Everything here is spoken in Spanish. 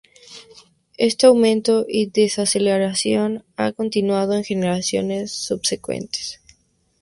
Este aumento y desaceleración ha continuado en generaciones subsecuentes.